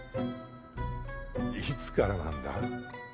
いつからなんだ？